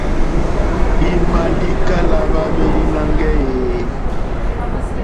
I ma likala hwa hweli nangɛ eeh?